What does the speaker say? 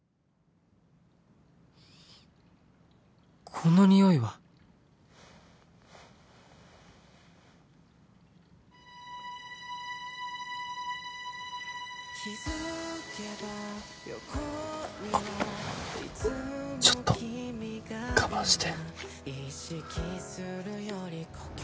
このニオイはあちょっと我慢して